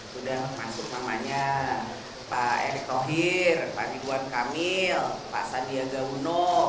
sudah masuk namanya pak erick thohir pak ridwan kamil pak sandiaga uno